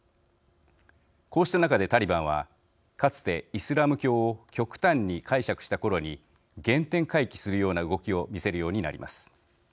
こうした中で、タリバンはかつてイスラム教を極端に解釈したころに原点回帰するような動きを見せるようになります。